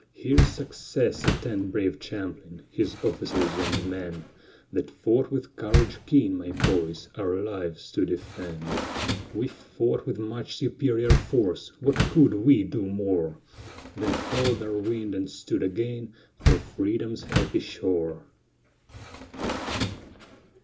Here's success attend brave Champlin, his officers and men, That fought with courage keen, my boys, our lives to defend; We fought with much superior force, what could we do more? Then haul'd our wind and stood again for Freedom's happy shore.